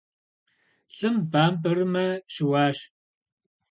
Лым бампӏэрымэ щыуащ.